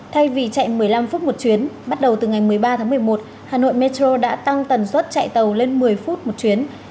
thay vì chạy một mươi năm phút một chuyến bắt đầu từ ngày một mươi ba tháng một mươi một hà nội metro đã tăng tần suất chạy tàu lên một mươi phút một chuyến